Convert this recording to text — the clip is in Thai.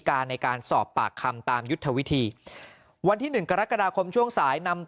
ในการสอบปากคำตามยุทธวิธีวันที่หนึ่งกรกฎาคมช่วงสายนำ